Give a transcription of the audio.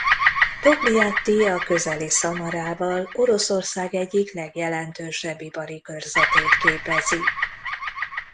Togliatti a közeli Szamarával Oroszország egyik legjelentősebb ipari körzetét képezi.